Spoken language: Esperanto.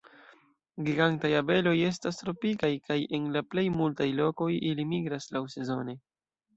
Gigantaj abeloj estas tropikaj kaj en la plej multaj lokoj ili migras laŭsezone.